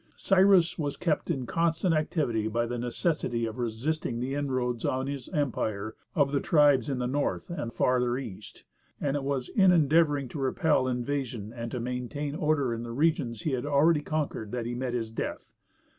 Cyrus was kept in constant activity by the necessity of resisting the inroads on his empire of the tribes in the north and farther east; and it was in endeavoring to repel invasion and to maintain order in the regions he had already conquered, that he met his death.